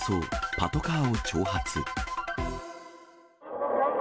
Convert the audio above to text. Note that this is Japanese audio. パトカーを挑発。